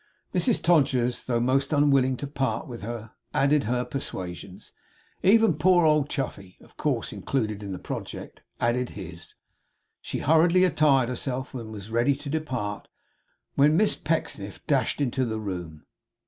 Mrs Todgers, though most unwilling to part with her, added her persuasions. Even poor old Chuffey (of course included in the project) added his. She hurriedly attired herself, and was ready to depart, when Miss Pecksniff dashed into the room.